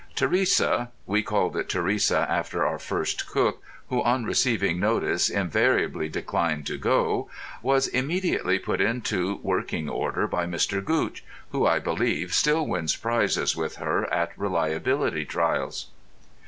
Teresa—we called it Teresa after our first cook, who on receiving notice invariably declined to go—was immediately put into working order by Mr. Gootch, who, I believe, still wins prizes with her at reliability trials.